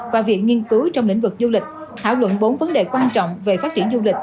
và viện nghiên cứu trong lĩnh vực du lịch thảo luận bốn vấn đề quan trọng về phát triển du lịch